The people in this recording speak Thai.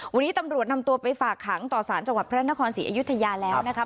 วันนี้ตำรวจนำตัวไปฝากขังต่อสารจังหวัดพระนครศรีอยุธยาแล้วนะครับ